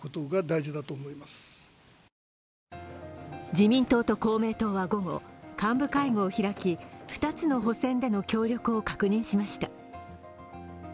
自民党と公明党は午後幹部会合を開き２つの補選での協力を確認しました。